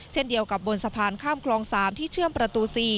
เช่นเดียวกับบนสะพานข้ามคลอง๓ที่เชื่อมประตู๔